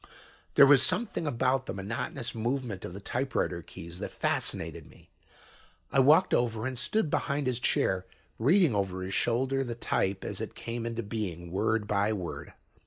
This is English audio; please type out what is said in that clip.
There was something about the monotonous movement of the typewriter keys that fascinated me. I walked over and stood behind his chair, reading over his shoulder the type as it came into being, word by word.